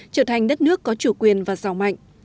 trở thành đất nước có chủ quyền và giàu mạnh